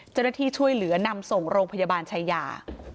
เจ้าหน้าที่ช่วยเหลือนำส่งโรงพยาบาลชายา